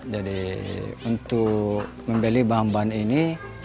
jadi untuk membeli bahan bahan ini